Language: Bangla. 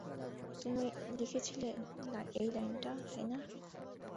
তুমি লিখেছিলে এই লাইনটা, তাই না?